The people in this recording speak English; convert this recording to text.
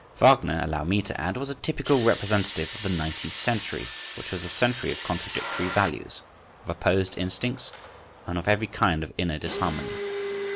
Wagner, allow me to add, was a typical representative of the nineteenth century, which was the century of contradictory values, of opposed instincts, and of every kind of inner disharmony.